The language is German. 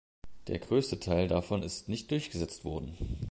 Der größte Teil davon ist nicht durchgesetzt worden.